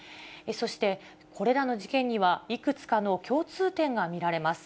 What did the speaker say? そしてこれらの事件には、いくつかの共通点が見られます。